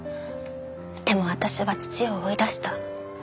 でも私は父を追い出した。